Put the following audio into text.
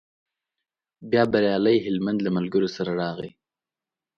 بیا بریالی هلمند له ملګرو سره راغی.